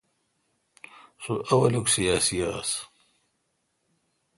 سو اولوک سیاسی آس۔